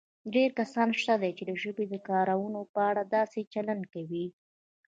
ډېر کسان شته چې د ژبې د کارونې په اړه داسې چلند کوي